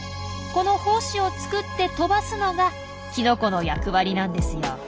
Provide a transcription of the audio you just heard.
この胞子を作って飛ばすのがキノコの役割なんですよ。